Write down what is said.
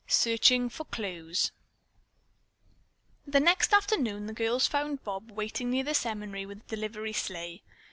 SEARCHING FOR CLUES The next afternoon the girls found Bob waiting near the seminary with the delivery sleigh.